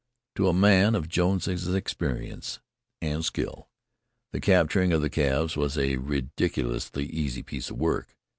To a man of Jones's experience and skill, the capturing of the calves was a ridiculously easy piece of work.